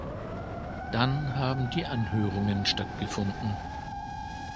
Dann haben die Anhörungen stattgefunden.